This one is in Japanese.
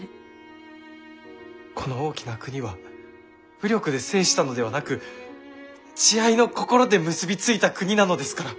この大きな国は武力で制したのではなく慈愛の心で結び付いた国なのですから。